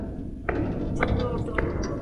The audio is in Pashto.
سهارنۍ د وینې ګلوکوز په کنټرول کې مرسته کوي.